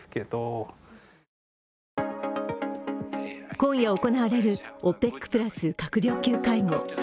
今夜行われるＯＰＥＣプラス閣僚級会合。